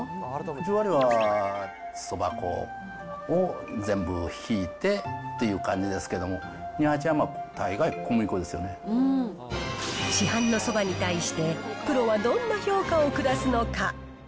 十割はそば粉を全部ひいてっていう感じですけど、市販のそばに対して、プロはどんな評価を下すのか。